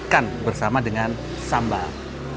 makan bersama dengan sambal